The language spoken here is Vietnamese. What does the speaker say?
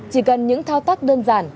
chỉ cần những thao tác đơn giản